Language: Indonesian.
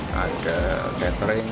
kadang lepas periasan